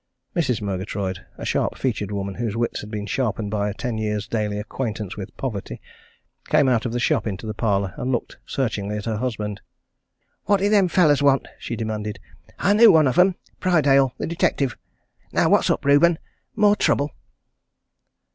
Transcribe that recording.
Mrs. Murgatroyd, a sharp featured woman whose wits had been sharpened by a ten years' daily acquaintance with poverty, came out of the shop into the parlour and looked searchingly at her husband. "What did them fellows want?" she demanded. "I knew one of 'em Prydale, the detective. Now what's up, Reuben? More trouble?"